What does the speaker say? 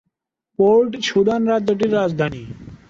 Port Sudan রাজ্যটির রাজধানী।